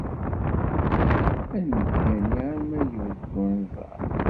Ad neggani arma yebded unẓar.